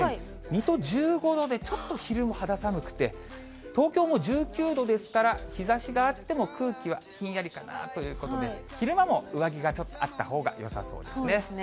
水戸１５度で、ちょっと昼も肌寒くて、東京も１９度ですから、日ざしがあっても、空気はひんやりかなということで、昼間も上着がちょっとあったほうがよさそうですね。